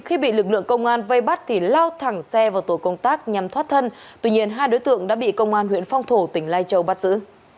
khi bị lực lượng công an vây bắt thì lao thẳng xe vào tổ công tác nhằm thoát thân tuy nhiên hai đối tượng đã bị công an huyện phong thổ tỉnh lai châu bắt giữ